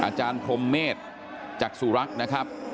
อาจารย์พรมเมษจักษุรักษ์นะครับ